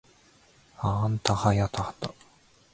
はあんたはやはた